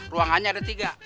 ruangannya ada tiga